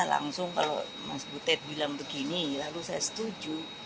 langsung kalau mas butet bilang begini lalu saya setuju